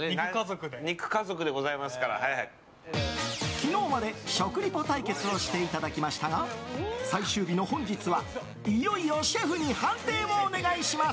昨日まで食リポ対決をしていただきましたが最終日の本日はいよいよシェフに判定をお願いします。